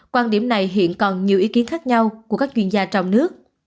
quan điểm này hiện còn nhiều ý kiến khác nhau của các chuyên gia trong nước